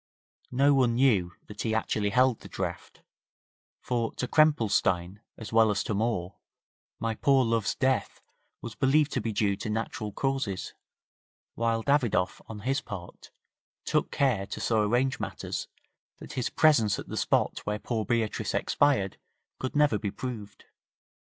No one knew that he actually held the draft, for to Krempelstein, as well as to Moore, my poor love's death was believed to be due to natural causes, while Davidoff, on his part, took care to so arrange matters, that his presence at the spot where poor Beatrice expired could never be proved.